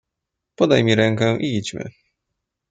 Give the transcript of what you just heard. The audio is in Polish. "Podaj mi rękę i idźmy."